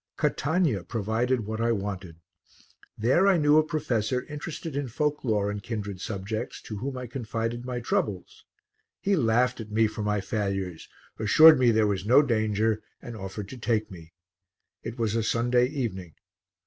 Catania provided what I wanted. There I knew a professor interested in folk lore and kindred subjects to whom I confided my troubles. He laughed at me for my failures, assured me there was no danger and offered to take me. It was a Sunday evening.